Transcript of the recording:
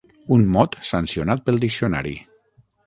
Un mot sancionat pel diccionari.